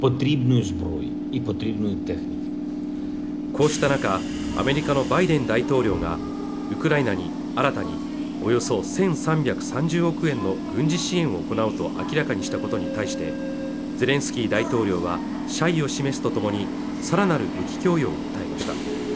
こうした中アメリカのバイデン大統領がウクライナに新たにおよそ１３３０億円の軍事支援を行うと明らかにしたことに対してゼレンスキー大統領は謝意を示すとともにさらなる武器供与を訴えました